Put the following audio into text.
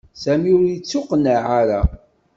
Sami ur ittuqqeneɛ ara.